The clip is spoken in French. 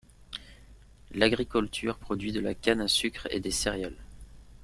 L'agricolture produit de la canne à sucre et des céréales.